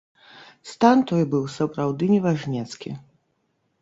Стан той быў сапраўды неважнецкі.